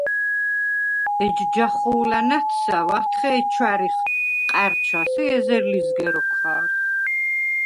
ეჯ ჯახუ̄ლა̈ ნა̈თსა̈ვ ათხე̄ჲ ჩვა̈რიხ ყა̈რჩას ი ეზერ ლიზგე როქვ ხა̄რხ.